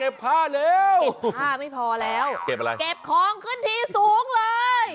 เก็บผ้าไม่พอแล้วเก็บของขึ้นที่สูงเลย